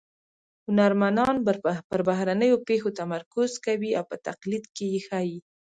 هنرمنان پر بهرنیو پېښو تمرکز کوي او په تقلید کې یې ښيي